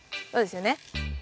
そうですよね？